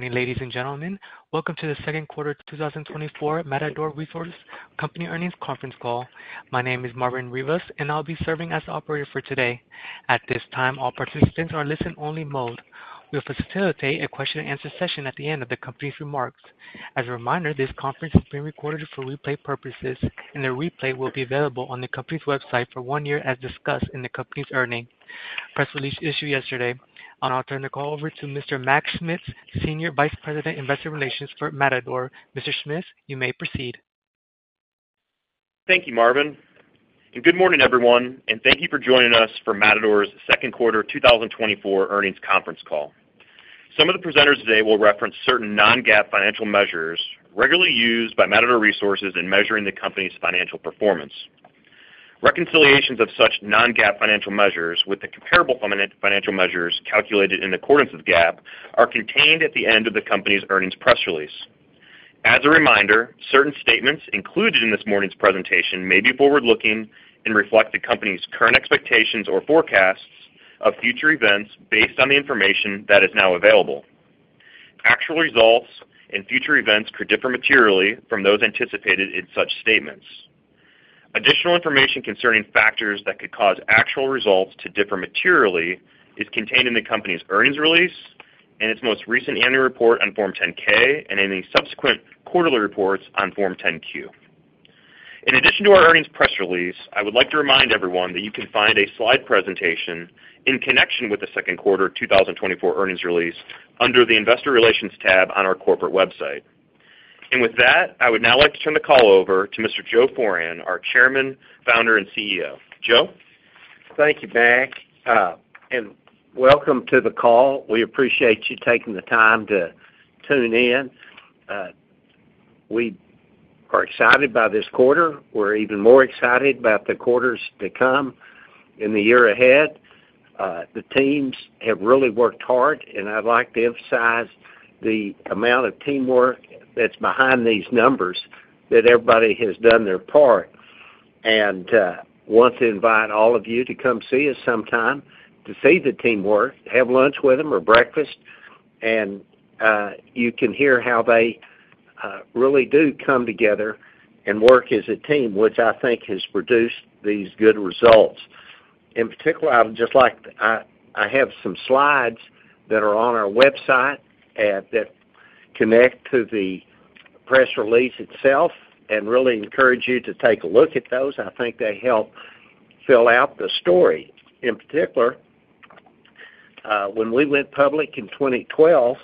Morning, ladies and gentlemen. Welcome to the second quarter 2024 Matador Resources Company Earnings Conference Call. My name is Marvin Rivas, and I'll be serving as the operator for today. At this time, all participants are in listen-only mode. We'll facilitate a question-and-answer session at the end of the company's remarks. As a reminder, this conference is being recorded for replay purposes, and the replay will be available on the company's website for one year as discussed in the company's earnings press release issued yesterday. I'll now turn the call over to Mr. Mac Schmitz, Senior Vice President, Investor Relations for Matador. Mr. Schmitz, you may proceed. Thank you, Marvin, and good morning, everyone, and thank you for joining us for Matador's second quarter 2024 earnings conference call. Some of the presenters today will reference certain non-GAAP financial measures regularly used by Matador Resources in measuring the company's financial performance. Reconciliations of such non-GAAP financial measures with the comparable financial measures calculated in accordance with GAAP are contained at the end of the company's earnings press release. As a reminder, certain statements included in this morning's presentation may be forward-looking and reflect the company's current expectations or forecasts of future events based on the information that is now available. Actual results and future events could differ materially from those anticipated in such statements. Additional information concerning factors that could cause actual results to differ materially is contained in the company's earnings release and its most recent annual report on Form 10-K and any subsequent quarterly reports on Form 10-Q. In addition to our earnings press release, I would like to remind everyone that you can find a slide presentation in connection with the second quarter 2024 earnings release under the Investor Relations tab on our corporate website. And with that, I would now like to turn the call over to Mr. Joe Foran, our Chairman, Founder, and CEO. Joe? Thank you, Mac, and welcome to the call. We appreciate you taking the time to tune in. We are excited by this quarter. We're even more excited about the quarters to come in the year ahead. The teams have really worked hard, and I'd like to emphasize the amount of teamwork that's behind these numbers, that everybody has done their part. And want to invite all of you to come see us sometime, to see the teamwork, have lunch with them or breakfast, and you can hear how they really do come together and work as a team, which I think has produced these good results. In particular, I would just like—I, I have some slides that are on our website that connect to the press release itself, and really encourage you to take a look at those. I think they help fill out the story. In particular, when we went public in 2012,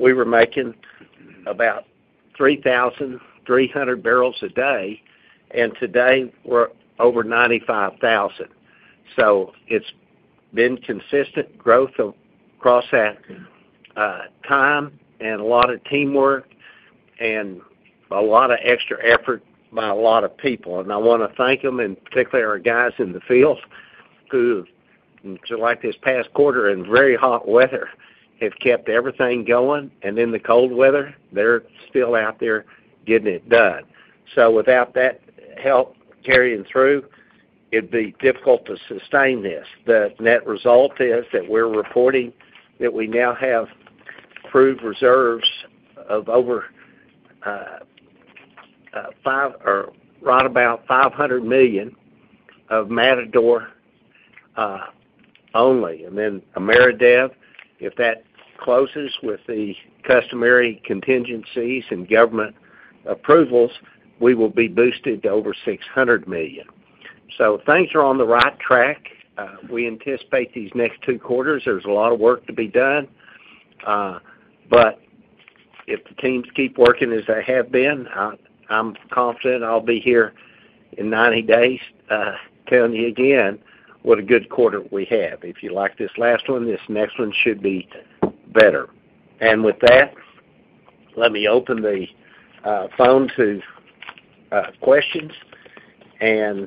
we were making about 3,300 barrels a day, and today we're over 95,000. So it's been consistent growth across that time and a lot of teamwork and a lot of extra effort by a lot of people. And I want to thank them, and particularly our guys in the field, who, like this past quarter, in very hot weather, have kept everything going, and in the cold weather, they're still out there getting it done. So without that help carrying through, it'd be difficult to sustain this. The net result is that we're reporting that we now have approved reserves of over 500 million of Matador only. Then Ameredev, if that closes with the customary contingencies and government approvals, we will be boosted to over 600 million. So things are on the right track. We anticipate these next two quarters, there's a lot of work to be done. But if the teams keep working as they have been, I, I'm confident I'll be here in 90 days, telling you again what a good quarter we have. If you like this last one, this next one should be better. And with that, let me open the phone to questions and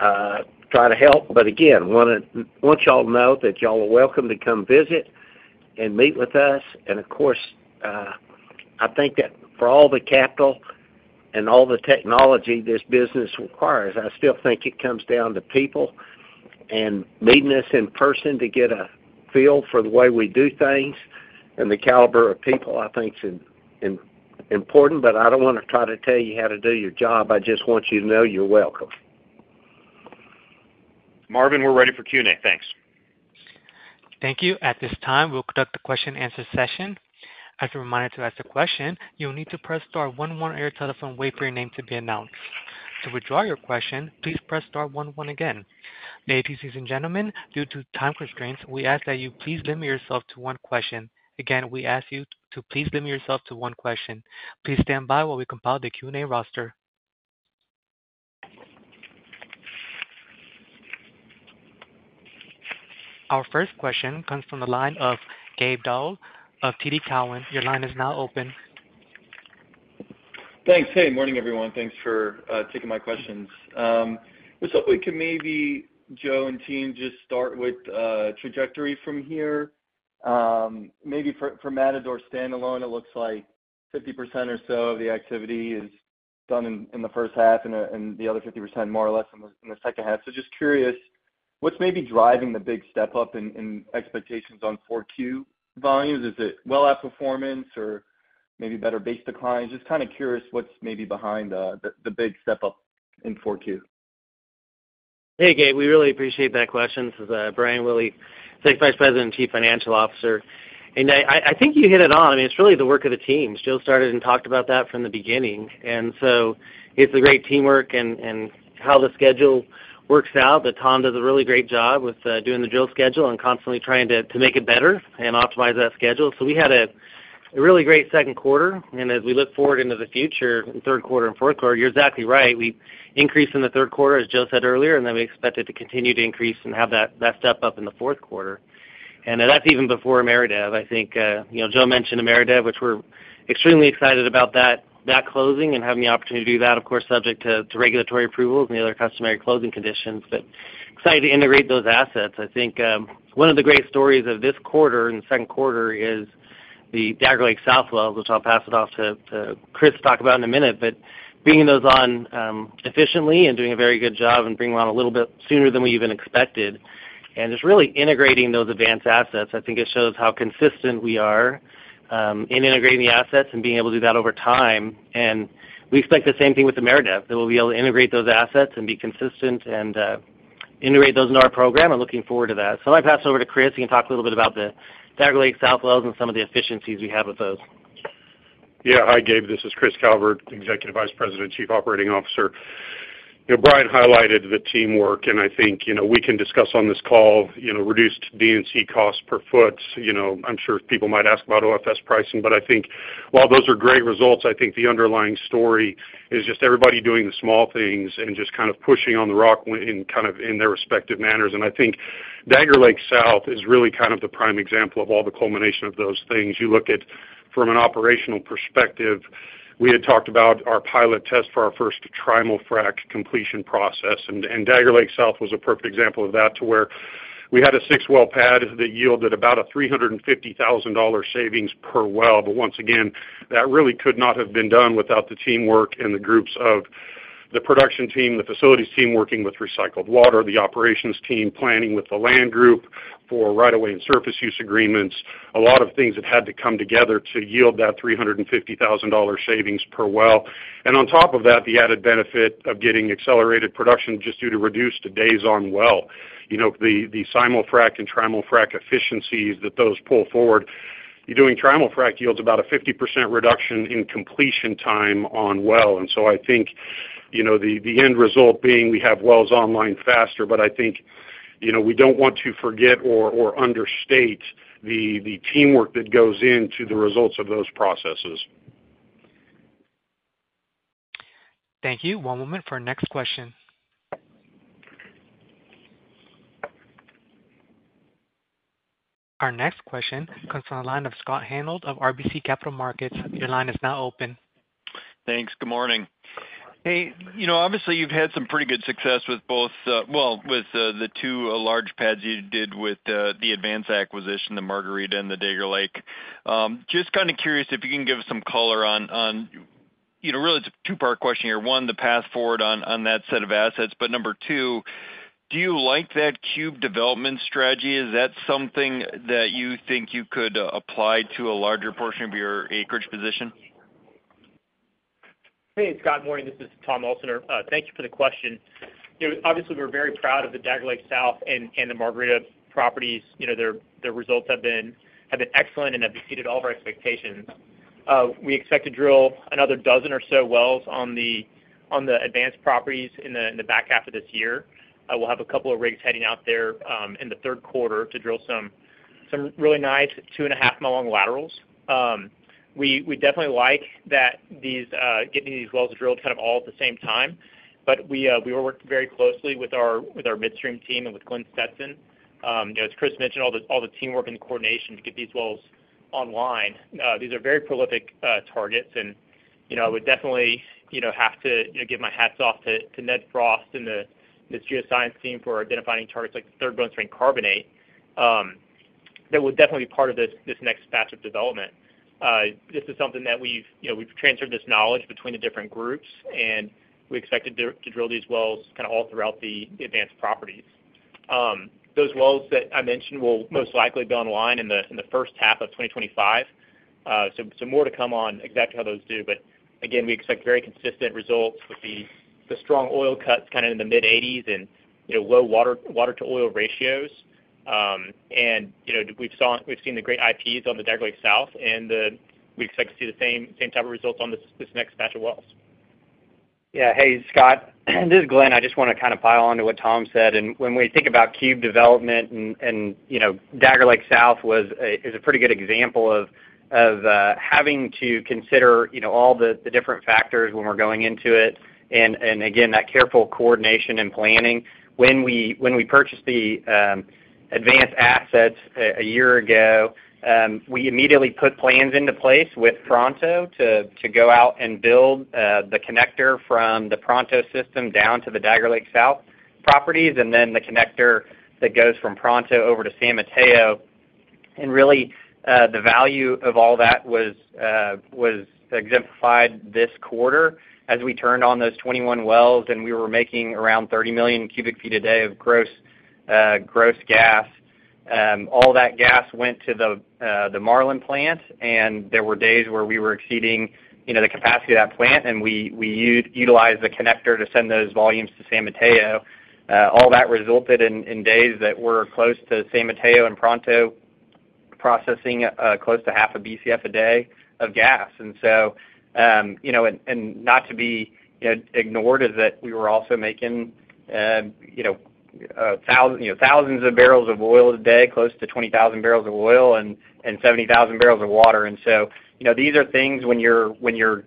try to help. But again, want y'all to know that y'all are welcome to come visit and meet with us. Of course, I think that for all the capital and all the technology this business requires, I still think it comes down to people and meeting us in person to get a feel for the way we do things and the caliber of people I think is important, but I don't want to try to tell you how to do your job. I just want you to know you're welcome. Marvin, we're ready for Q&A. Thanks. Thank you. At this time, we'll conduct a question-and-answer session. As a reminder, to ask a question, you'll need to press star one one on your telephone, wait for your name to be announced. To withdraw your question, please press star one one again. Ladies and gentlemen, due to time constraints, we ask that you please limit yourself to one question. Again, we ask you to please limit yourself to one question. Please stand by while we compile the Q&A roster. Our first question comes from the line of Gabe Daoud of TD Cowen. Your line is now open. Thanks. Hey, morning, everyone. Thanks for taking my questions. Just hope we can maybe, Joe and team, just start with trajectory from here. Maybe for Matador standalone, it looks like 50% or so of the activity is done in the first half and the other 50% more or less in the second half. So just curious what's maybe driving the big step up in expectations on 4Q volumes? Is it well outperformance or maybe better base declines? Just kind of curious what's maybe behind the big step up in 4Q. Hey, Gabe, we really appreciate that question. This is Brian Willey, Executive Vice President and Chief Financial Officer. And I think you hit it on. I mean, it's really the work of the team. Jill started and talked about that from the beginning. And so it's the great teamwork and how the schedule works out, that Tom does a really great job with doing the drill schedule and constantly trying to make it better and optimize that schedule. So we had a really great second quarter, and as we look forward into the future, in third quarter and fourth quarter, you're exactly right. We increased in the third quarter, as Jill said earlier, and then we expect it to continue to increase and have that step up in the fourth quarter. And that's even before Ameredev. I think, you know, Joe mentioned Ameredev, which we're extremely excited about that, that closing and having the opportunity to do that, of course, subject to, to regulatory approvals and the other customary closing conditions. But excited to integrate those assets. I think, one of the great stories of this quarter, in the second quarter, is the Dagger Lake South well, which I'll pass it off to, to Chris to talk about in a minute. But bringing those on, efficiently and doing a very good job and bringing them on a little bit sooner than we even expected, and just really integrating those advanced assets, I think it shows how consistent we are, in integrating the assets and being able to do that over time. And we expect the same thing with Ameredev, that we'll be able to integrate those assets and be consistent and integrate those into our program. I'm looking forward to that. So I'm going to pass it over to Chris. He can talk a little bit about the Dagger Lake South wells and some of the efficiencies we have with those. Yeah. Hi, Gabe, this is Chris Calvert, Executive Vice President, Chief Operating Officer. You know, Brian highlighted the teamwork, and I think, you know, we can discuss on this call, you know, reduced D&C costs per foot. You know, I'm sure people might ask about OFS pricing, but I think while those are great results, I think the underlying story is just everybody doing the small things and just kind of pushing on the rock in kind of in their respective manners. And I think Dagger Lake South is really kind of the prime example of all the culmination of those things. You look at, from an operational perspective, we had talked about our pilot test for our first Trimul-Frac completion process, and Dagger Lake South was a perfect example of that, to where we had a six-well pad that yielded about a $350,000 savings per well. But once again, that really could not have been done without the teamwork and the groups of the production team, the facilities team working with recycled water, the operations team planning with the land group for right of way and surface use agreements. A lot of things that had to come together to yield that $350,000 savings per well. And on top of that, the added benefit of getting accelerated production just due to reduced days on well. You know, the Simul-Frac and Trimul-Frac efficiencies that those pull forward. You're doing Trimul-Frac yields about a 50% reduction in completion time on well, and so I think, you know, the end result being we have wells online faster. But I think, you know, we don't want to forget or understate the teamwork that goes into the results of those processes. Thank you. One moment for our next question. Our next question comes from the line of Scott Hanold of RBC Capital Markets. Your line is now open. Thanks. Good morning. Hey, you know, obviously, you've had some pretty good success with both, well, with the two large pads you did with the Advance acquisition, the Margarita and the Dagger Lake. Just kind of curious if you can give us some color on. You know, really, it's a two-part question here. One, the path forward on that set of assets. But number two, do you like that cube development strategy? Is that something that you think you could apply to a larger portion of your acreage position? Hey, Scott, morning. This is Thomas Elsener. Thank you for the question. You know, obviously, we're very proud of the Dagger Lake South and the Margarita properties. You know, their results have been excellent and have exceeded all of our expectations. We expect to drill another 12 or so wells on the Advance properties in the back half of this year. We'll have a couple of rigs heading out there in the third quarter to drill some really nice 2.5-mile-long laterals. We definitely like that these getting these wells drilled kind of all at the same time, but we were working very closely with our midstream team and with Glenn Stetson. You know, as Chris mentioned, all the teamwork and the coordination to get these wells online. These are very prolific targets, and you know, I would definitely have to give my hats off to Ned Frost and the Geoscience team for identifying targets like the Third Bone Spring Carbonate. That would definitely be part of this next batch of development. This is something that we've, you know, we've transferred this knowledge between the different groups, and we expect to drill these wells kind of all throughout the Advance properties. Those wells that I mentioned will most likely be online in the first half of 2025. So, more to come on exactly how those do. But again, we expect very consistent results with the strong oil cuts kind of in the mid-80s and, you know, low water to oil ratios. And, you know, we've seen the great IPs on the Dagger Lake South, and we expect to see the same type of results on this next batch of wells. Yeah. Hey, Scott, this is Glenn. I just want to kind of pile on to what Tom said, and when we think about cube development and, you know, Dagger Lake South is a pretty good example of having to consider, you know, all the different factors when we're going into it, and again, that careful coordination and planning. When we purchased the Advance assets a year ago, we immediately put plans into place with Pronto to go out and build the connector from the Pronto system down to the Dagger Lake South properties, and then the connector that goes from Pronto over to San Mateo. And really, the value of all that was exemplified this quarter as we turned on those 21 wells, and we were making around 30 million cubic feet a day of gross gas. All that gas went to the Marlin plant, and there were days where we were exceeding, you know, the capacity of that plant, and we utilized the connector to send those volumes to San Mateo. All that resulted in days that were close to San Mateo and Pronto processing, close to a half BCF a day of gas. And so, you know, and not to be, you know, ignored is that we were also making, you know, thousands of barrels of oil a day, close to 20,000 barrels of oil and 70,000 barrels of water. And so, you know, these are things when you're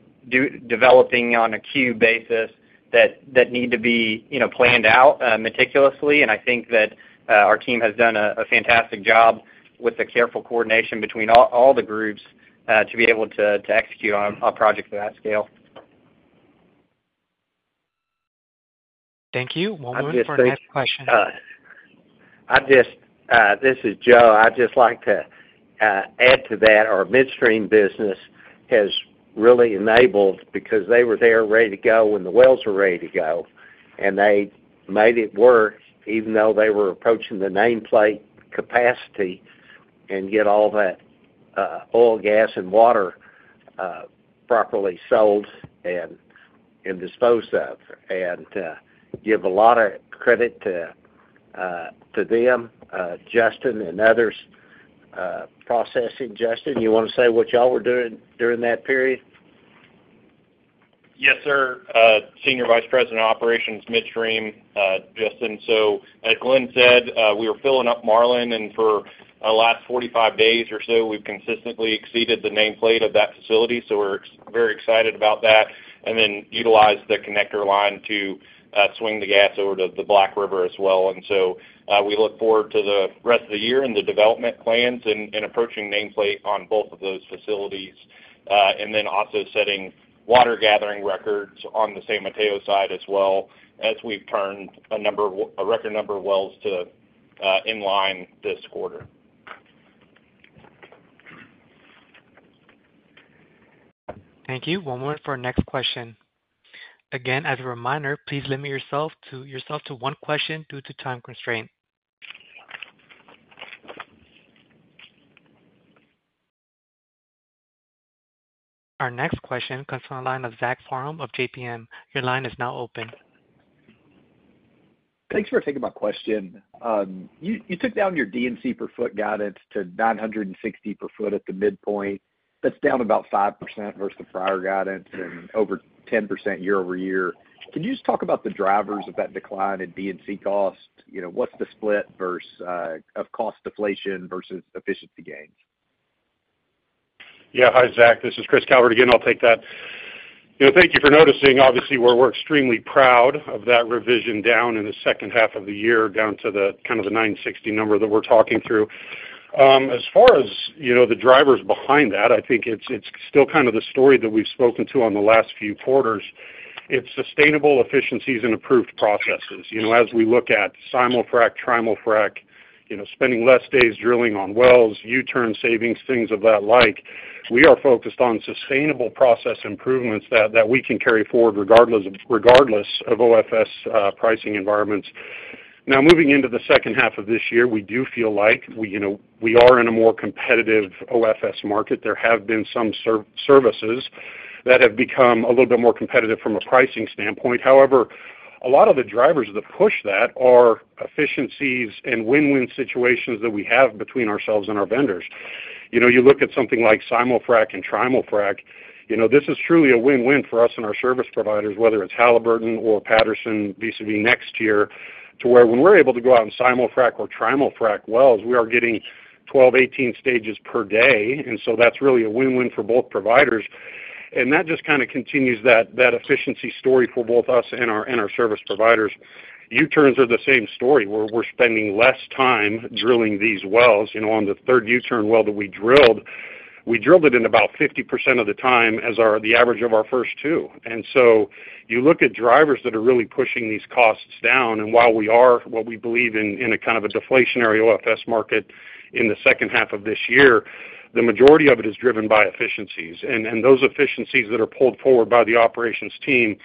developing on a queue basis that need to be, you know, planned out meticulously. And I think that our team has done a fantastic job with the careful coordination between all the groups to be able to execute on a project of that scale. Thank you. We'll move to our next question. I just, this is Joe. I'd just like to add to that. Our midstream business has really enabled because they were there ready to go when the wells were ready to go, and they made it work, even though they were approaching the nameplate capacity, and get all that oil, gas, and water properly sold and, and disposed of. And give a lot of credit to to them, Justin, and others processing. Justin, you want to say what y'all were doing during that period? Yes, sir. Senior Vice President, Operations, Midstream, Justin. So, as Glenn said, we were filling up Marlin, and for the last 45 days or so, we've consistently exceeded the nameplate of that facility, so we're very excited about that. And then utilized the connector line to swing the gas over to the Black River as well. And so, we look forward to the rest of the year and the development plans and approaching nameplate on both of those facilities, and then also setting water gathering records on the San Mateo side as well, as we've turned a record number of wells to in line this quarter. Thank you. One more for our next question. Again, as a reminder, please limit yourself to one question due to time constraint. Our next question comes from the line of Zach Parham of J.P. Morgan. Your line is now open. Thanks for taking my question. You, you took down your D&C per foot guidance to 960 per foot at the midpoint. That's down about 5% versus the prior guidance and over 10% year-over-year. Can you just talk about the drivers of that decline in D&C costs? You know, what's the split versus of cost deflation versus efficiency gains? Yeah. Hi, Zach, this is Chris Calvert again. I'll take that. You know, thank you for noticing. Obviously, we're, we're extremely proud of that revision down in the second half of the year, down to the kind of the 960 number that we're talking through. As far as, you know, the drivers behind that, I think it's, it's still kind of the story that we've spoken to on the last few quarters. It's sustainable efficiencies and improved processes. You know, as we look at Simul-Frac, Trimul-Frac, you know, spending less days drilling on wells, U-turn savings, things of that like, we are focused on sustainable process improvements that, that we can carry forward regardless of, regardless of OFS pricing environments. Now, moving into the second half of this year, we do feel like we, you know, we are in a more competitive OFS market. There have been some services that have become a little bit more competitive from a pricing standpoint. However, a lot of the drivers that push that are efficiencies and win-win situations that we have between ourselves and our vendors. You know, you look at something like Simul-Frac and Trimul-Frac, you know, this is truly a win-win for us and our service providers, whether it's Halliburton or Patterson, VCV next year, to where when we're able to go out and Simul-Frac or Trimul-Frac wells, we are getting 12, 18 stages per day, and so that's really a win-win for both providers. And that just kind of continues that, that efficiency story for both us and our, and our service providers. U-turns are the same story, where we're spending less time drilling these wells. You know, on the third U-turn well that we drilled, we drilled it in about 50% of the time as our the average of our first two. And so you look at drivers that are really pushing these costs down, and while we are, what we believe in, in a kind of a deflationary OFS market in the second half of this year, the majority of it is driven by efficiencies. And, and those efficiencies that are pulled forward by the operations team,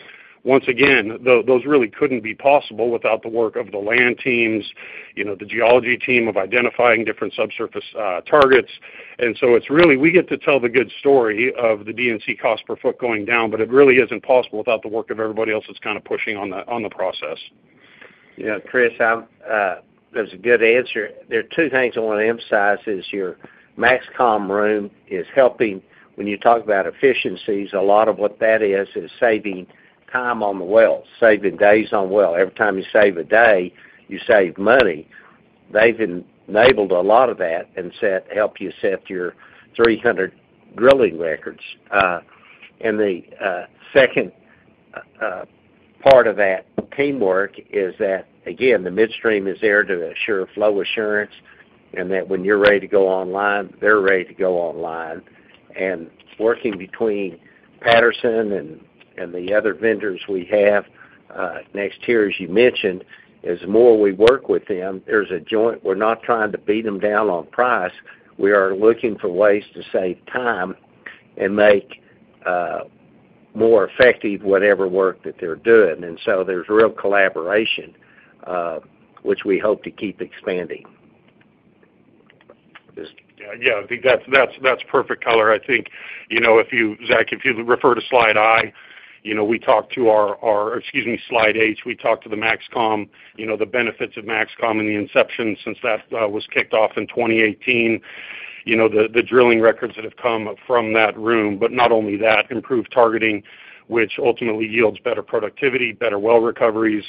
once again, those really couldn't be possible without the work of the land teams, you know, the geology team of identifying different subsurface targets. And so it's really, we get to tell the good story of the D&C cost per foot going down, but it really isn't possible without the work of everybody else that's kind of pushing on the, on the process. Yeah, Chris, that's a good answer. There are two things I want to emphasize is your MAXCOM room is helping. When you talk about efficiencies, a lot of what that is, is saving time on the wells, saving days on well. Every time you save a day, you save money. They've enabled a lot of that and helped you set your 300 drilling records. And the second part of that teamwork is that, again, the midstream is there to assure flow assurance, and that when you're ready to go online, they're ready to go online.... and working between Patterson and the other vendors we have, next year, as you mentioned, as more we work with them, there's a joint-- we're not trying to beat them down on price. We are looking for ways to save time and make more effective whatever work that they're doing. And so there's real collaboration, which we hope to keep expanding. Just- Yeah, I think that's perfect color. I think, you know, if you, Zach, refer to slide I, you know, we talked to our—excuse me, slide H—we talked to the MAXCOM, you know, the benefits of MAXCOM and the inception since that was kicked off in 2018, you know, the drilling records that have come from that room. But not only that, improved targeting, which ultimately yields better productivity, better well recoveries,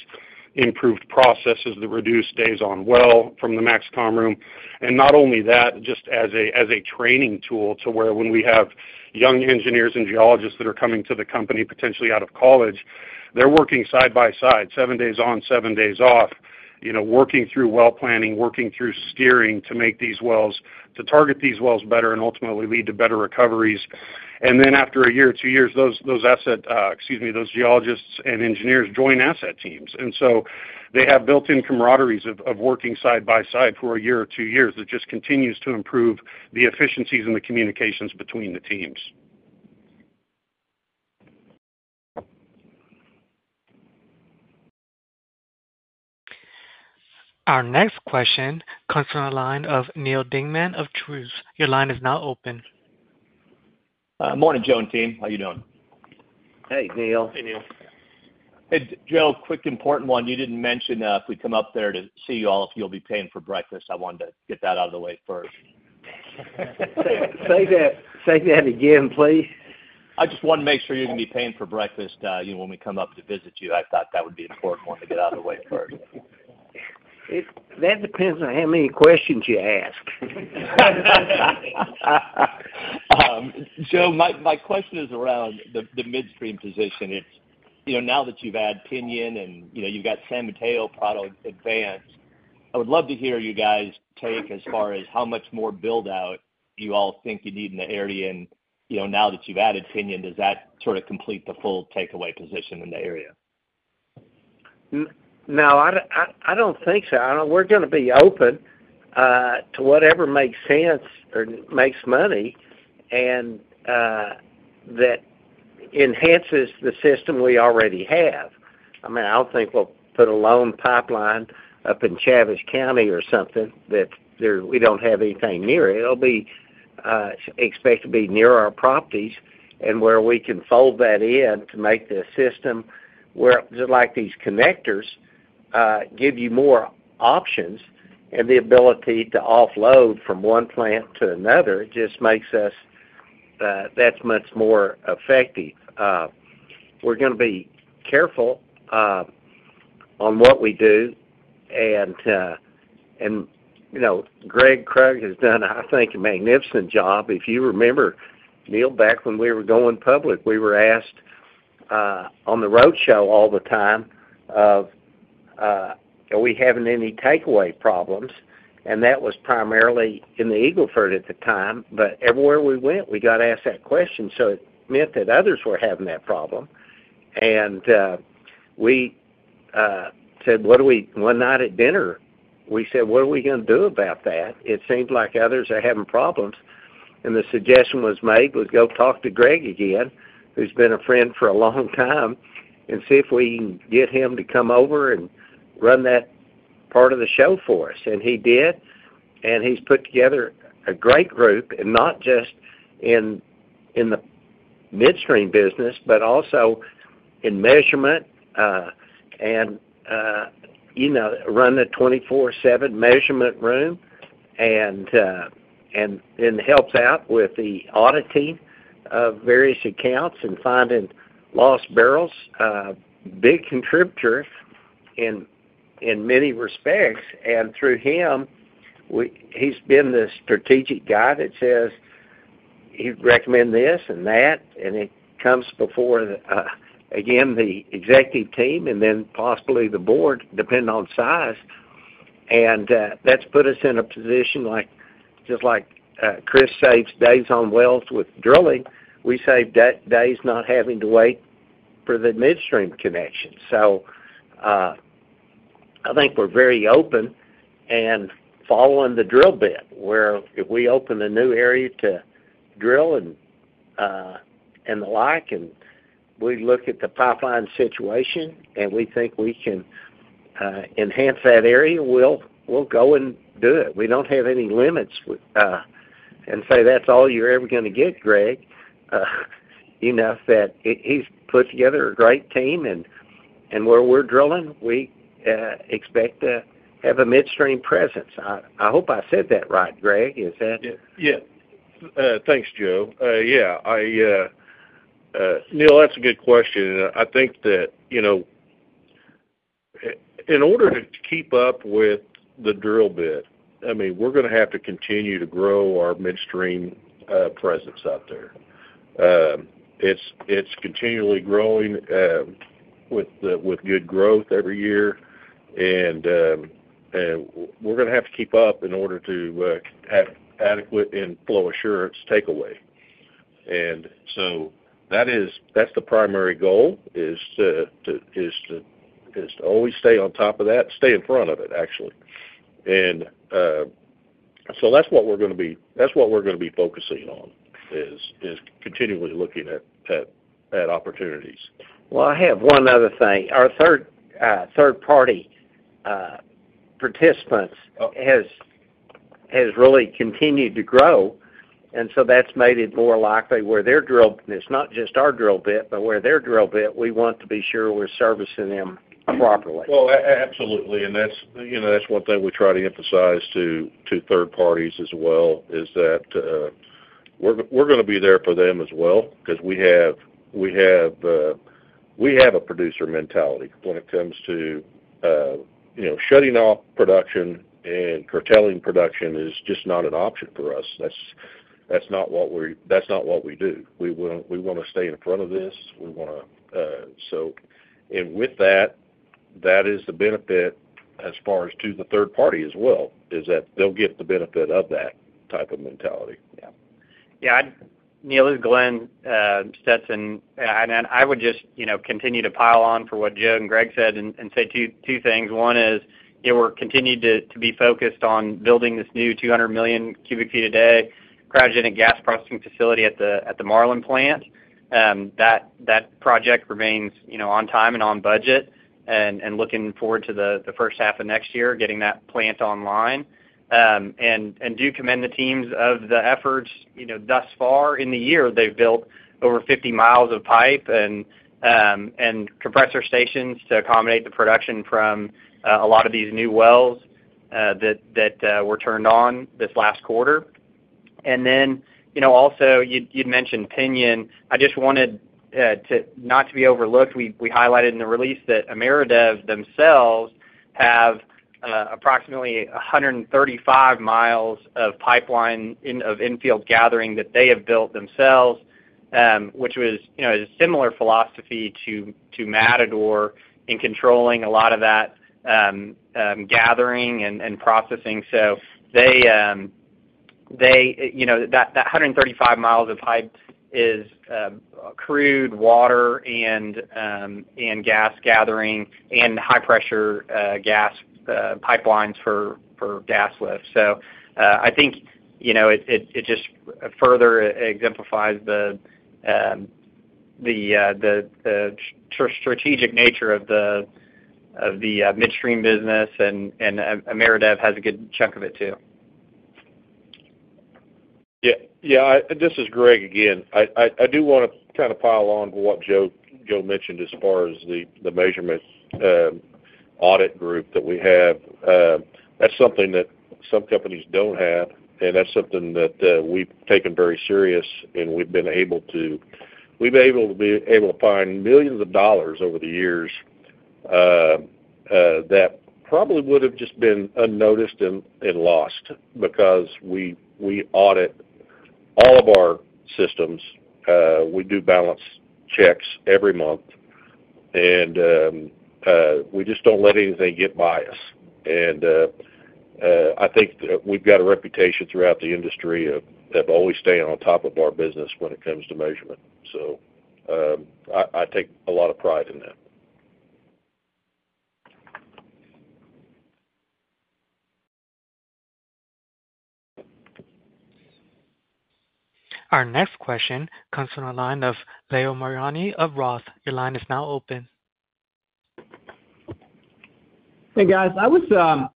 improved processes that reduce days on well from the MAXCOM room. Not only that, just as a training tool to where when we have young engineers and geologists that are coming to the company, potentially out of college, they're working side by side, seven days on, seven days off, you know, working through well planning, working through steering to make these wells, to target these wells better and ultimately lead to better recoveries. And then after a year or two years, those geologists and engineers join asset teams. And so they have built-in camaraderie of working side by side for a year or two years. It just continues to improve the efficiencies and the communications between the teams. Our next question comes from the line of Neal Dingman of Truist. Your line is now open. Morning, Joe and team. How you doing? Hey, Neil. Hey, Neil. Hey, Joe, quick important one. You didn't mention if we come up there to see you all, if you'll be paying for breakfast. I wanted to get that out of the way first. Say that, say that again, please. I just wanted to make sure you're gonna be paying for breakfast, you know, when we come up to visit you. I thought that would be an important one to get out of the way first. That depends on how many questions you ask. Joe, my question is around the midstream position. It's, you know, now that you've added Piñon and, you know, you've got San Mateo, Pronto advanced, I would love to hear you guys take as far as how much more build-out you all think you need in the area. And, you know, now that you've added Piñon, does that sort of complete the full takeaway position in the area? No, I don't think so. I don't... We're gonna be open to whatever makes sense or makes money and that enhances the system we already have. I mean, I don't think we'll put a lone pipeline up in Chaves County or something, that there we don't have anything near. It'll be, expect to be near our properties and where we can fold that in to make the system where, just like these connectors give you more options and the ability to offload from one plant to another, it just makes us, that's much more effective. We're gonna be careful on what we do. And, you know, Gregg Krug has done, I think, a magnificent job. If you remember, Neal, back when we were going public, we were asked on the road show all the time, are we having any takeaway problems? And that was primarily in the Eagle Ford at the time. But everywhere we went, we got asked that question, so it meant that others were having that problem. And we said, One night at dinner, we said, "What are we gonna do about that? It seems like others are having problems." And the suggestion was made, go talk to Gregg again, who's been a friend for a long time, and see if we can get him to come over and run that part of the show for us. He did, and he's put together a great group, and not just in the midstream business, but also in measurement, you know, run the 24/7 measurement room, and helps out with the auditing of various accounts and finding lost barrels. Big contributor in many respects, and through him, we—he's been the strategic guy that says he'd recommend this and that, and it comes before, again, the executive team and then possibly the board, depending on size. That's put us in a position like, just like, Chris saves days on wells with drilling, we save days not having to wait for the midstream connection. So, I think we're very open and following the drill bit, where if we open a new area to drill and, and the like, and we look at the pipeline situation, and we think we can, enhance that area, we'll, we'll go and do it. We don't have any limits with, and say, "That's all you're ever gonna get, Gregg." You know, that he, he's put together a great team, and, and where we're drilling, we, expect to have a midstream presence. I, I hope I said that right, Gregg. Is that- Yeah. Thanks, Joe. Yeah, I, Neal, that's a good question, and I think that, you know, in order to keep up with the drill bit, I mean, we're gonna have to continue to grow our midstream presence out there.... it's continually growing with good growth every year. And we're gonna have to keep up in order to have adequate and flow assurance takeaway. And so that is - that's the primary goal, is to always stay on top of that, stay in front of it, actually. And so that's what we're gonna be focusing on, is continually looking at opportunities. Well, I have one other thing. Our third-party participants has really continued to grow, and so that's made it more likely where their drill, and it's not just our drill bit, but where their drill bit, we want to be sure we're servicing them properly. Well, absolutely. And that's, you know, that's one thing we try to emphasize to third parties as well, is that we're gonna be there for them as well, 'cause we have a producer mentality when it comes to, you know, shutting off production and curtailing production is just not an option for us. That's not what we're – that's not what we do. We wanna stay in front of this. We wanna, so... And with that, that is the benefit as far as to the third party as well, is that they'll get the benefit of that type of mentality. Yeah. Yeah, I'd Neal, this is Glenn Stetson. And I would just, you know, continue to pile on for what Joe and Gregg said and say two things. One is, you know, we're continued to be focused on building this new 200 million cubic feet a day cryogenic gas processing facility at the Marlin plant. That project remains, you know, on time and on budget, and looking forward to the first half of next year, getting that plant online. And do commend the teams of the efforts, you know, thus far in the year. They've built over 50 miles of pipe and compressor stations to accommodate the production from a lot of these new wells that were turned on this last quarter. And then, you know, also, you'd mentioned Piñon. I just wanted not to be overlooked. We highlighted in the release that Ameredev themselves have approximately 135 miles of pipeline in infield gathering that they have built themselves, which was, you know, a similar philosophy to Matador in controlling a lot of that gathering and processing. So they, you know, that 135 miles of pipe is crude, water, and gas gathering and high pressure gas pipelines for gas lifts. So I think, you know, it just further exemplifies the strategic nature of the midstream business, and Ameredev has a good chunk of it, too. Yeah, yeah, this is Gregg again. I do wanna kind of pile on to what Joe mentioned as far as the measurement audit group that we have. That's something that some companies don't have, and that's something that we've taken very serious, and we've been able to find millions of dollars over the years that probably would have just been unnoticed and lost because we audit all of our systems. We do balance checks every month, and we just don't let anything get by us. And I think we've got a reputation throughout the industry of always staying on top of our business when it comes to measurement. So, I take a lot of pride in that. Our next question comes from the line of Leo Mariani of Roth. Your line is now open. Hey, guys. I was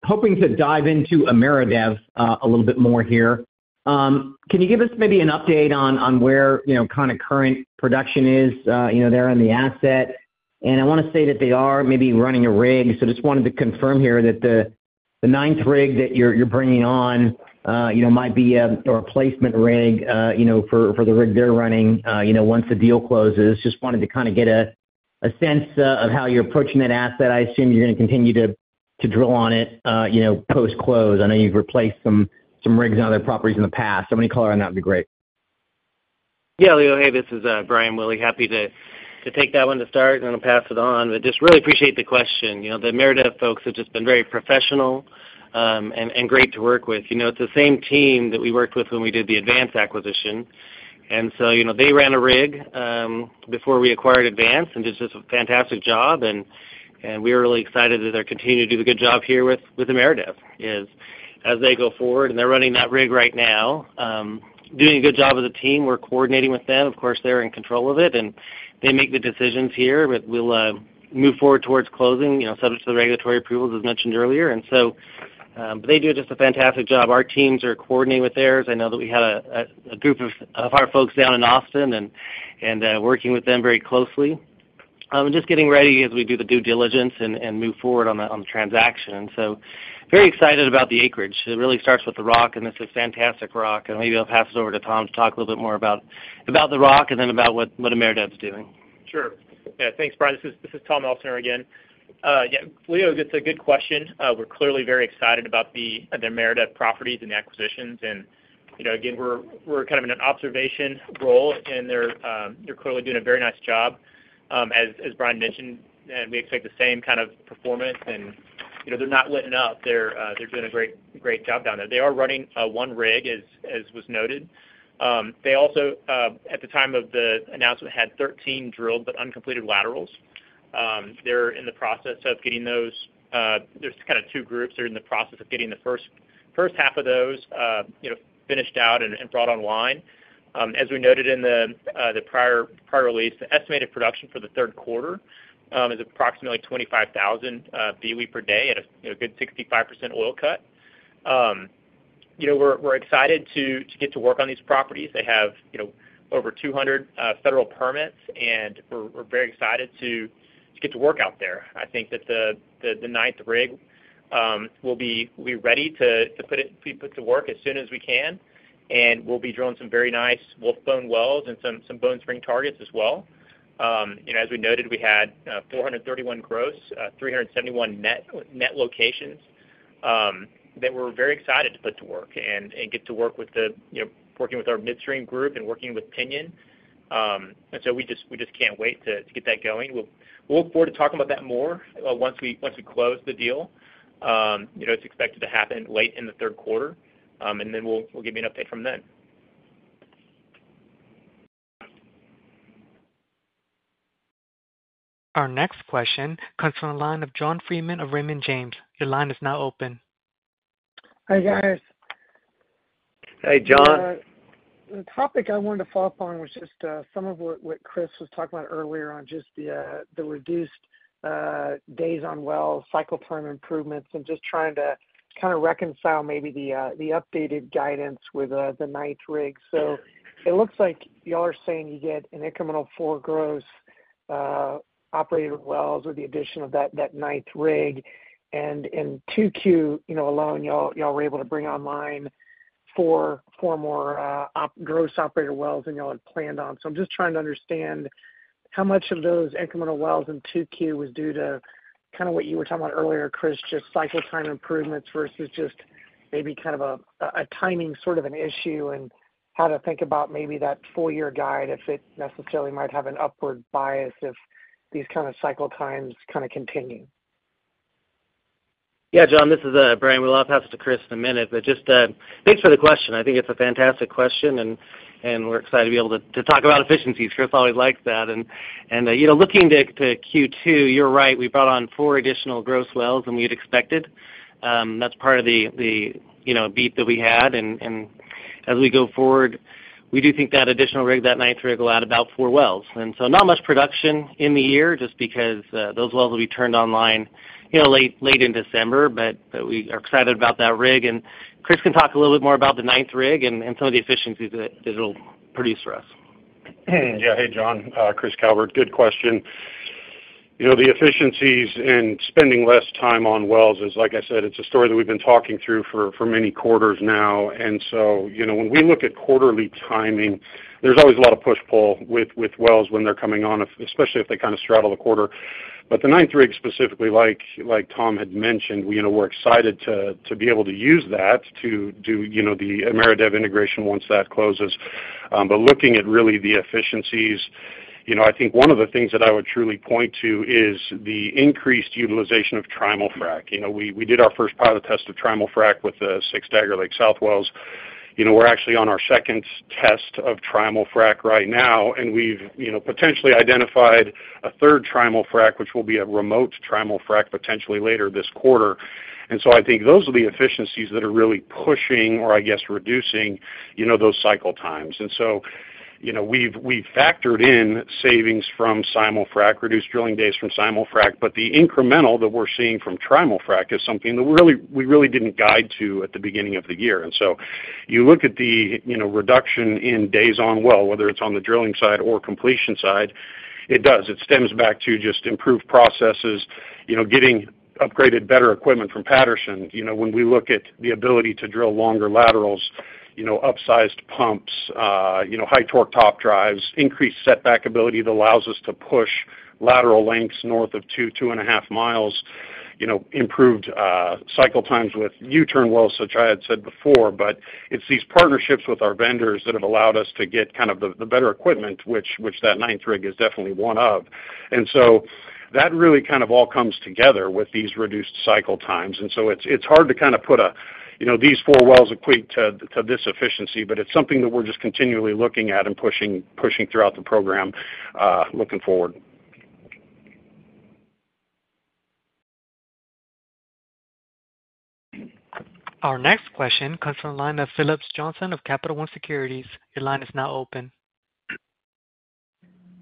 hoping to dive into Ameredev a little bit more here. Can you give us maybe an update on where, you know, kind of current production is, you know, there on the asset? And I wanna say that they are maybe running a rig, so just wanted to confirm here that the ninth rig that you're bringing on, you know, might be a replacement rig, you know, for the rig they're running, you know, once the deal closes. Just wanted to kind of get a sense of how you're approaching that asset. I assume you're gonna continue to drill on it, you know, post-close. I know you've replaced some rigs on other properties in the past. So any color on that would be great. Yeah, Leo, hey, this is Brian Willey. Happy to take that one to start, and then I'll pass it on. But just really appreciate the question. You know, the Ameredev folks have just been very professional, and great to work with. You know, it's the same team that we worked with when we did the Advance acquisition. And so, you know, they ran a rig before we acquired Advance, and did just a fantastic job, and we're really excited that they're continuing to do a good job here with Ameredev. As they go forward, and they're running that rig right now, doing a good job as a team. We're coordinating with them. Of course, they're in control of it, and they make the decisions here, but we'll move forward towards closing, you know, subject to the regulatory approvals, as mentioned earlier. And so, but they do just a fantastic job. Our teams are coordinating with theirs. I know that we had a group of our folks down in Austin working with them very closely. And just getting ready as we do the due diligence and move forward on the transaction. So very excited about the acreage. It really starts with the rock, and this is fantastic rock. And maybe I'll pass it over to Tom to talk a little bit more about the rock and then about what Ameredev's doing. Sure. Yeah. Thanks, Brian. This is Tom Elsener again.... Yeah, Leo, that's a good question. We're clearly very excited about the Ameredev properties and the acquisitions, and, you know, again, we're kind of in an observation role, and they're clearly doing a very nice job. As Brian mentioned, and we expect the same kind of performance and, you know, they're not letting up. They're doing a great, great job down there. They are running one rig as was noted. They also, at the time of the announcement, had 13 drilled but uncompleted laterals. They're in the process of getting those, there's kind of two groups. They're in the process of getting the first, first half of those, you know, finished out and brought online. As we noted in the prior release, the estimated production for the third quarter is approximately 25,000 BOE per day at a, you know, good 65% oil cut. You know, we're excited to get to work on these properties. They have, you know, over 200 federal permits, and we're very excited to get to work out there. I think that the ninth rig will be ready to be put to work as soon as we can, and we'll be drilling some very nice Wolfbone wells and some Bone Spring targets as well. You know, as we noted, we had 431 gross, 371 net, net locations, that we're very excited to put to work and, and get to work with the, you know, working with our midstream group and working with Piñon. And so we just, we just can't wait to, to get that going. We'll, we'll look forward to talking about that more, once we, once we close the deal. You know, it's expected to happen late in the third quarter, and then we'll, we'll give you an update from then. Our next question comes from the line of John Freeman of Raymond James. Your line is now open. Hi, guys. Hey, John. The topic I wanted to follow up on was just some of what Chris was talking about earlier on just the reduced days on well, cycle time improvements, and just trying to kind of reconcile maybe the updated guidance with the ninth rig. So it looks like y'all are saying you get an incremental four gross operated wells with the addition of that nineth rig. And in 2Q, you know, alone, y'all were able to bring online four more gross operated wells than y'all had planned on. I'm just trying to understand how much of those incremental wells in 2Q was due to kind of what you were talking about earlier, Chris, just cycle time improvements versus just maybe kind of a timing sort of an issue, and how to think about maybe that full year guide, if it necessarily might have an upward bias if these kind of cycle times kind of continue. Yeah, John, this is Brian. We'll pass it to Chris in a minute, but just thanks for the question. I think it's a fantastic question, and we're excited to be able to talk about efficiencies. Chris always likes that. And you know, looking to Q2, you're right, we brought on four additional gross wells than we had expected. That's part of the you know, beat that we had. And as we go forward, we do think that additional rig, that ninth rig, will add about four wells. And so not much production in the year, just because those wells will be turned online, you know, late in December. But we are excited about that rig, and Chris can talk a little bit more about the ninth rig and some of the efficiencies that it'll produce for us. Yeah. Hey, John, Chris Calvert. Good question. You know, the efficiencies and spending less time on wells is, like I said, it's a story that we've been talking through for many quarters now. And so, you know, when we look at quarterly timing, there's always a lot of push/pull with wells when they're coming on, if especially if they kind of straddle the quarter. But the ninth rig, specifically, like Tom had mentioned, we, you know, we're excited to be able to use that to do, you know, the Ameredev integration once that closes. But looking at really the efficiencies, you know, I think one of the things that I would truly point to is the increased utilization of Trimul-Frac. You know, we did our first pilot test of Trimul-Frac with the six Dagger Lake South wells. You know, we're actually on our second test of Trimul-Frac right now, and we've, you know, potentially identified a third Trimul-Frac, which will be a remote Trimul-Frac, potentially later this quarter. And so I think those are the efficiencies that are really pushing or, I guess, reducing, you know, those cycle times. And so, you know, we've, we've factored in savings from Simul-Frac, reduced drilling days from Simul-Frac, but the incremental that we're seeing from Trimul-Frac is something that we really, we really didn't guide to at the beginning of the year. And so you look at the, you know, reduction in days on well, whether it's on the drilling side or completion side, it does, it stems back to just improved processes. You know, getting upgraded better equipment from Patterson. You know, when we look at the ability to drill longer laterals, you know, upsized pumps, you know, high torque top drives, increased setback ability that allows us to push lateral lengths north of two, two and half miles, you know, improved cycle times with U-turn wells, which I had said before. But it's these partnerships with our vendors that have allowed us to get kind of the, the better equipment, which, which that ninth rig is definitely one of. And so that really kind of all comes together with these reduced cycle times. And so it's, it's hard to kind of put a, you know, these four wells equate to, to this efficiency, but it's something that we're just continually looking at and pushing, pushing throughout the program, looking forward. Our next question comes from the line of Phillips Johnston of Capital One Securities. Your line is now open.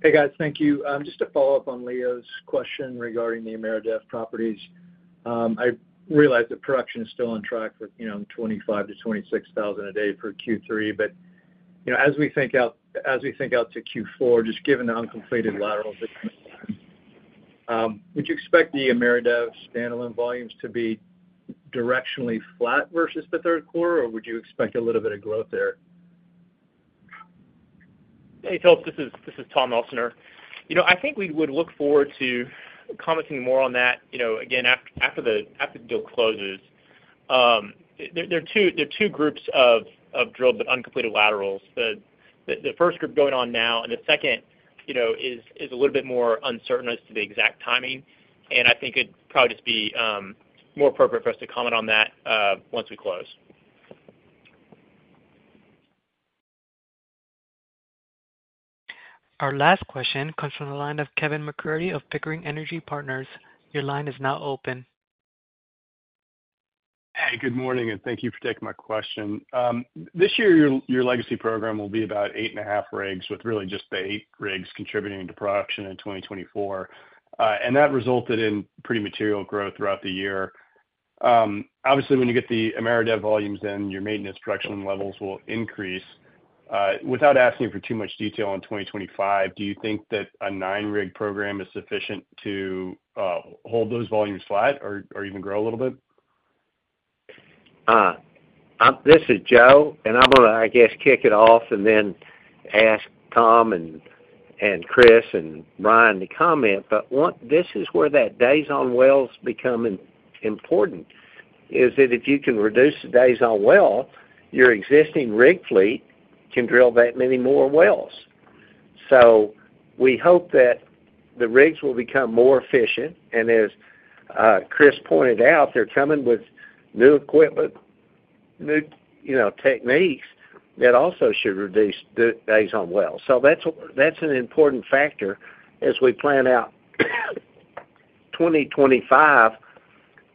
Hey, guys. Thank you. Just to follow up on Leo's question regarding the Ameredev properties. I realize that production is still on track with, you know, 25-26 thousand a day for Q3, but, you know, as we think out, as we think out to Q4, just given the uncompleted laterals, would you expect the Ameredev standalone volumes to be directionally flat versus the third quarter, or would you expect a little bit of growth there?... Hey, Phillips, this is Tom Elsener. You know, I think we would look forward to commenting more on that, you know, again, after the deal closes. There are two groups of drilled but uncompleted laterals. The first group going on now, and the second is a little bit more uncertain as to the exact timing, and I think it'd probably just be more appropriate for us to comment on that once we close. Our last question comes from the line of Kevin MacCurdy of Pickering Energy Partners. Your line is now open. Hey, good morning, and thank you for taking my question. This year, your legacy program will be about eight and half rigs, with really just the eight rigs contributing to production in 2024. And that resulted in pretty material growth throughout the year. Obviously, when you get the Ameredev volumes in, your maintenance structuring levels will increase. Without asking for too much detail on 2025, do you think that a nine rig program is sufficient to hold those volumes flat or even grow a little bit? This is Joe, and I'm gonna, I guess, kick it off and then ask Tom and Chris and Brian to comment. But what this is where that days on wells become important, is that if you can reduce the days on well, your existing rig fleet can drill that many more wells. So we hope that the rigs will become more efficient, and as Chris pointed out, they're coming with new equipment, new, you know, techniques that also should reduce the days on well. So that's, that's an important factor as we plan out 2025,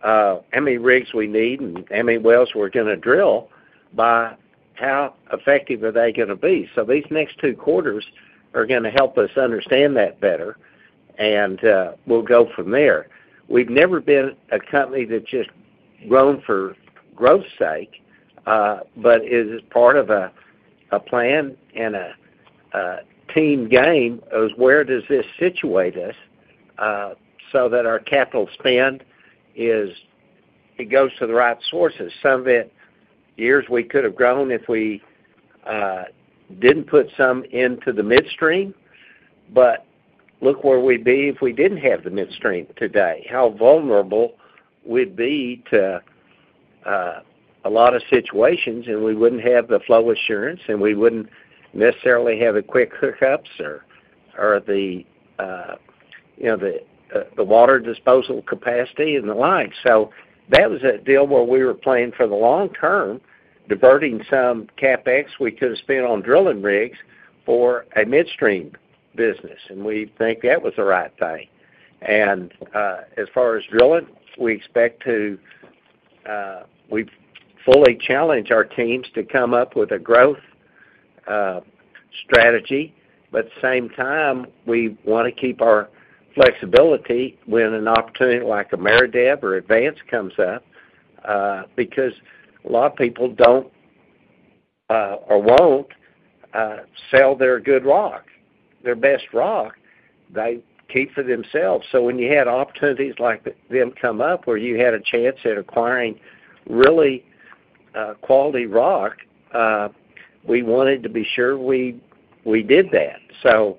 how many rigs we need and how many wells we're gonna drill by how effective are they gonna be. So these next two quarters are gonna help us understand that better, and we'll go from there. We've never been a company that just grown for growth's sake, but it is part of a plan and a team game is where does this situate us, so that our capital spend is it goes to the right sources. Some of it, years we could have grown if we didn't put some into the midstream, but look where we'd be if we didn't have the midstream today, how vulnerable we'd be to a lot of situations, and we wouldn't have the flow assurance, and we wouldn't necessarily have the quick hookups or, or the, you know, the water disposal capacity and the like. So that was a deal where we were playing for the long term, diverting some CapEx we could have spent on drilling rigs for a midstream business, and we think that was the right thing. As far as drilling, we expect to, we've fully challenged our teams to come up with a growth strategy, but at the same time, we want to keep our flexibility when an opportunity like Ameredev or Advance comes up, because a lot of people don't, or won't, sell their good rock. Their best rock, they keep for themselves. So when you had opportunities like them come up, where you had a chance at acquiring really quality rock, we wanted to be sure we, we did that. So,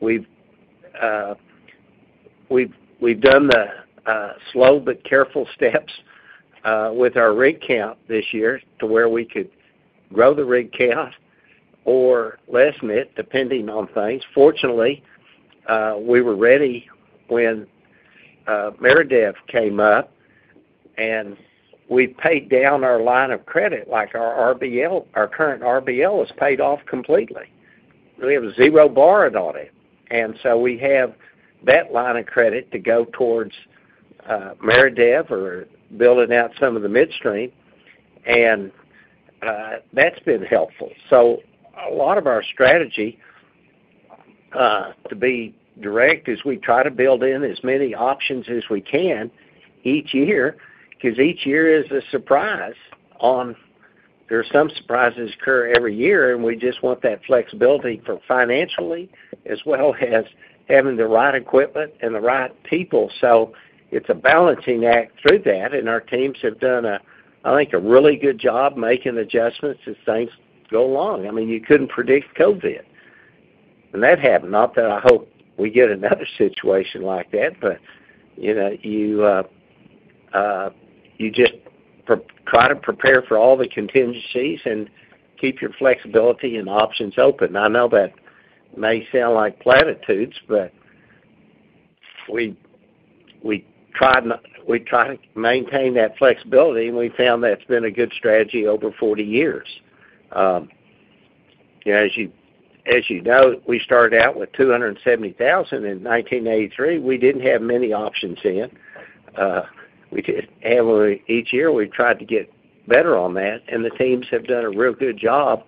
we've, we've, we've done the slow but careful steps with our rig count this year to where we could grow the rig count or lessen it, depending on things. Fortunately, we were ready when Ameredev came up, and we paid down our line of credit, like our RBL, our current RBL is paid off completely. We have zero borrowed on it, and so we have that line of credit to go towards Ameredev or building out some of the midstream, and that's been helpful. So a lot of our strategy, to be direct, is we try to build in as many options as we can each year, because each year is a surprise, there are some surprises occur every year, and we just want that flexibility for financially, as well as having the right equipment and the right people. So it's a balancing act through that, and our teams have done a, I think, a really good job making adjustments as things go along. I mean, you couldn't predict COVID, and that happened. Not that I hope we get another situation like that, but, you know, you just try to prepare for all the contingencies and keep your flexibility and options open. I know that may sound like platitudes, but we, we try to, we try to maintain that flexibility, and we found that's been a good strategy over 40 years. As you know, we started out with $270,000 in 1983. We didn't have many options then. We did and we, each year, we tried to get better on that, and the teams have done a real good job,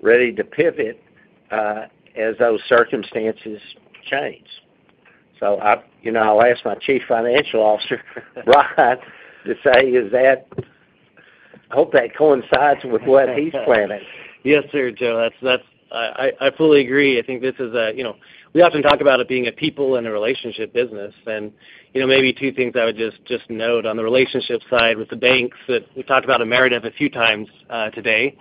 ready to pivot, as those circumstances change. So I, you know, I'll ask my Chief Financial Officer, Brian, to say, is that... I hope that coincides with what he's planning. Yes, sir, Joe, that's. I fully agree. I think this is a, you know, we often talk about it being a people and a relationship business. And, you know, maybe two things I would just note on the relationship side with the banks, that we've talked about Ameredev a few times today....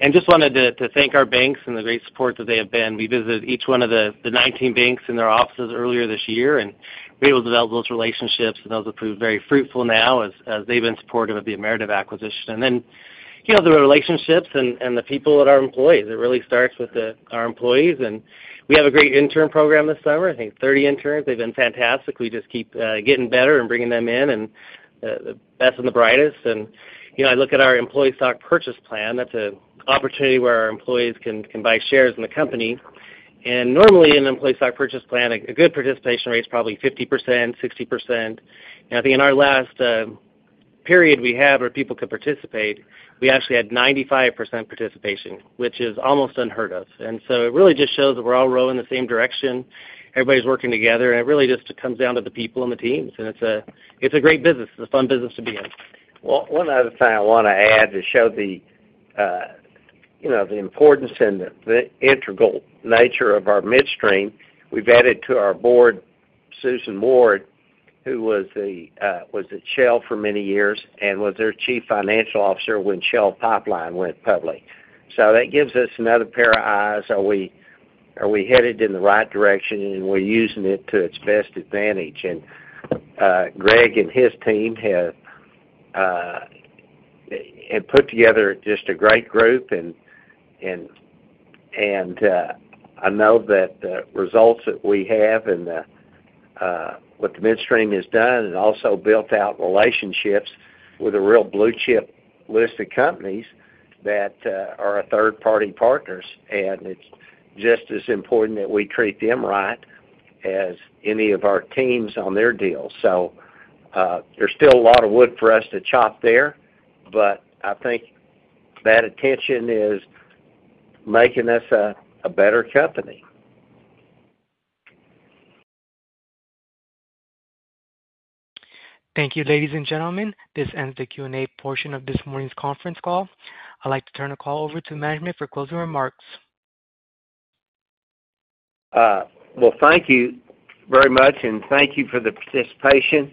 And just wanted to thank our banks and the great support that they have been. We visited each one of the 19 banks in their offices earlier this year, and we were able to develop those relationships, and those have proved very fruitful now as they've been supportive of the Ameredev acquisition. And then, you know, the relationships and the people at our employees. It really starts with our employees, and we have a great intern program this summer. I think 30 interns. They've been fantastic. We just keep getting better and bringing them in, and the best and the brightest. And, you know, I look at our employee stock purchase plan, that's an opportunity where our employees can buy shares in the company. Normally, in an employee stock purchase plan, a good participation rate is probably 50%, 60%. And I think in our last period we had where people could participate, we actually had 95% participation, which is almost unheard of. And so it really just shows that we're all rowing in the same direction, everybody's working together, and it really just comes down to the people and the teams, and it's a great business. It's a fun business to be in. Well, one other thing I want to add to show the, you know, the importance and the, the integral nature of our midstream. We've added to our board, Susan Ward, who was at Shell for many years and was their Chief Financial Officer when Shell Pipeline went public. So that gives us another pair of eyes. Are we headed in the right direction, and we're using it to its best advantage? And, Gregg and his team have put together just a great group, and, and, I know that the results that we have and the what the midstream has done, and also built out relationships with the real blue-chip listed companies that are our third-party partners. And it's just as important that we treat them right as any of our teams on their deals. There's still a lot of wood for us to chop there, but I think that attention is making us a better company. Thank you, ladies and gentlemen. This ends the Q&A portion of this morning's conference call. I'd like to turn the call over to management for closing remarks. Well, thank you very much, and thank you for the participation.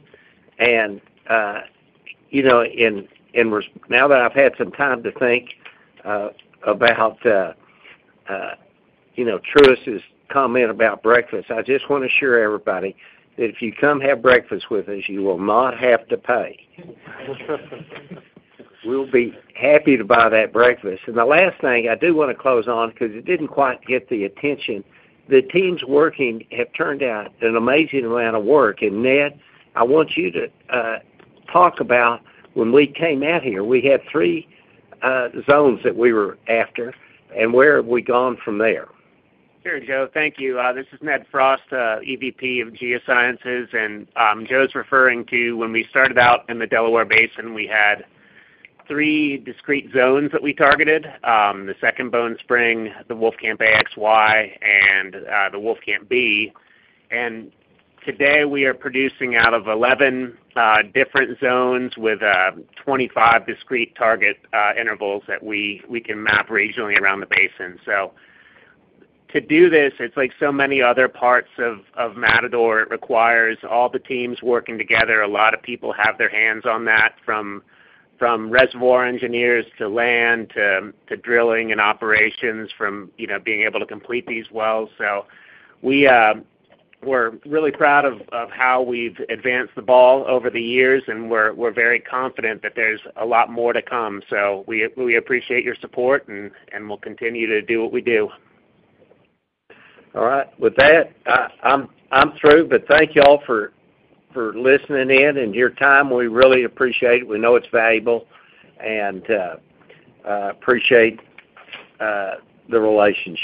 And, you know, now that I've had some time to think, about, you know, Truist's comment about breakfast, I just want to assure everybody that if you come have breakfast with us, you will not have to pay. We'll be happy to buy that breakfast. And the last thing I do want to close on, because it didn't quite get the attention, the teams working have turned out an amazing amount of work. And Ned, I want you to talk about when we came out here, we had three zones that we were after, and where have we gone from there? Sure, Joe. Thank you. This is Ned Frost, EVP of Geosciences, and Joe's referring to when we started out in the Delaware Basin, we had three discrete zones that we targeted, the Second Bone Spring, the Wolfcamp AXY, and the Wolfcamp B. And today, we are producing out of 11 different zones with 25 discrete target intervals that we, we can map regionally around the basin. So to do this, it's like so many other parts of Matador, it requires all the teams working together. A lot of people have their hands on that, from reservoir engineers to land, to drilling and operations, from you know, being able to complete these wells. So we, we're really proud of, of how we've advanced the ball over the years, and we're, we're very confident that there's a lot more to come. So we, we appreciate your support and, and we'll continue to do what we do. All right. With that, I'm through. But thank you all for listening in and your time. We really appreciate it. We know it's valuable, and appreciate the relationship.